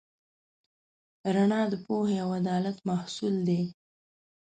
رڼا د پوهې او عدالت محصول دی.